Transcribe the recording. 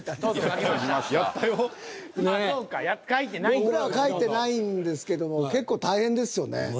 僕らは書いてないんですけども結構大変ですよね。